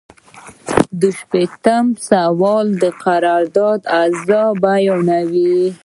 دوه شپیتم سوال د قرارداد اجزا بیانوي.